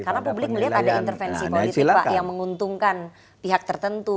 karena publik melihat ada intervensi politik yang menguntungkan pihak tertentu